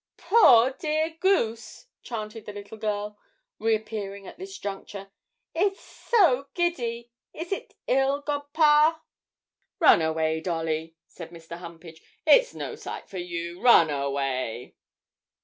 'Poor dear goose,' chanted the little girl, reappearing at this juncture, 'it's so giddy; is it ill, godpa?' 'Run away, Dolly,' said Mr. Humpage; 'it's no sight for you; run away.'